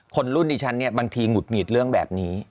คนรุ่นดิฉันเนี่ยบางทีหงุดหงิดเรื่องแบบนี้